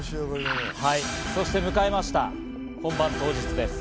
そして迎えました、本番当日です。